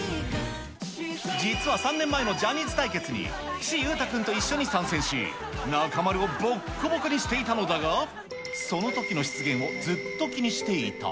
実は３年前のジャニーズ対決に、岸優太君と一緒に参戦し、中丸をぼっこぼこにしていたのだが、そのときの失言をずっと気にしていた。